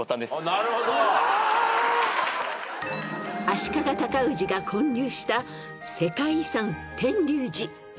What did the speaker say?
［足利尊氏が建立した世界遺産天龍寺］